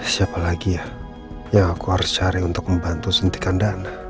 siapa lagi ya yang aku harus cari untuk membantu suntikan dana